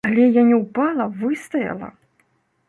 Але я не ўпала, выстаяла!